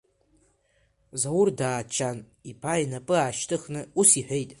Заур дааччан, иԥа инапы аашьҭыхны ус иҳәеит…